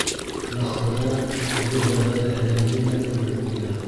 — Мәғфүрә был вәғәҙәһенәүҙе лә көлөп ҡуйҙы.